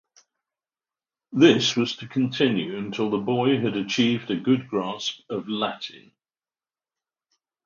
This was to continue until the boy had achieved a good grasp of Latin.